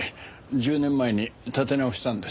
１０年前に建て直したんです。